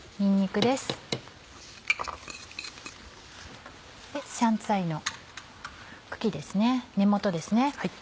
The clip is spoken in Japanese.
香菜の茎です根元ですね。